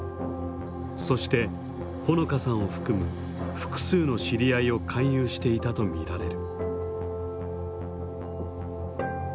そして穂野香さんを含む複数の知り合いを勧誘していたと見られる。